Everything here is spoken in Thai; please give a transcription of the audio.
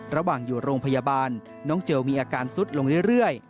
ระหว่างอยู่โรงพยาบาลน้องเจลมีอาการซุดลงเรื่อย